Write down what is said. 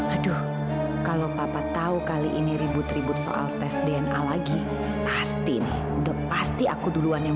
aduh kalau papa tahu kali ini ribut ribut soal tes dna lagi pasti nih udah pasti aku duluan yang